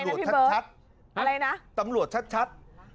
อะไรนะพี่เบิร์ฟตำรวจชัด